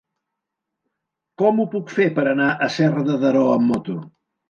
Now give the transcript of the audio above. Com ho puc fer per anar a Serra de Daró amb moto?